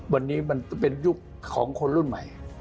วันนี้มันเป็นยุคของคนรุ่นใหม่